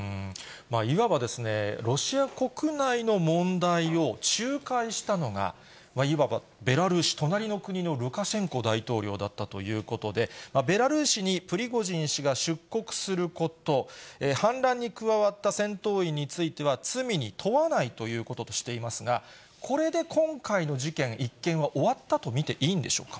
いわばロシア国内の問題を仲介したのが、いわばベラルーシ、隣の国のルカシェンコ大統領だったということで、ベラルーシにプリゴジン氏が出国すること、反乱に加わった戦闘員については罪に問わないということとしていますが、これで今回の事件、一件は終わったと見ていいんでしょうか。